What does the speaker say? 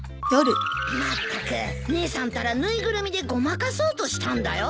まったく姉さんたら縫いぐるみでごまかそうとしたんだよ。